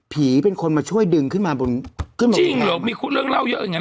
มีคนมาช่วยดึงขึ้นมาบนขึ้นมาจริงเหรอมีเรื่องเล่าเยอะอย่างเง